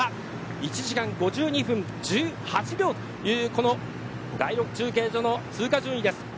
１時間５２分１８秒という第６中継所の通過順位です。